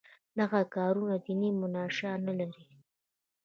دغه کارونه دیني منشأ نه لري.